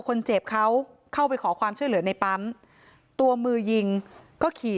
คนเจ็บเขาเข้าไปขอความช่วยเหลือในปั๊มตัวมือยิงก็ขี่